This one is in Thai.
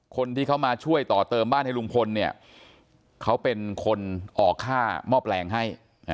คนที่เขามาช่วยต่อเติมบ้านให้ลุงพลเนี่ยเขาเป็นคนออกค่าหม้อแปลงให้